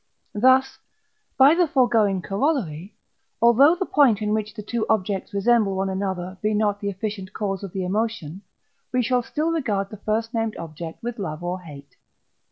Thus (by the foregoing Corollary), although the point in which the two objects resemble one another be not the efficient cause of the emotion, we shall still regard the first named object with love or hate.